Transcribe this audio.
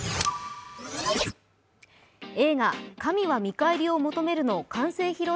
映画「神は見返りを求める」の完成披露